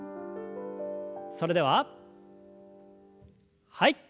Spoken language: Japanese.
それでははい。